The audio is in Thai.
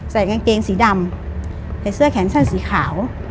กางเกงสีดำใส่เสื้อแขนสั้นสีขาว